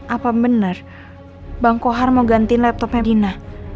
apa bener bang kohar mau gantiin laptopnya dina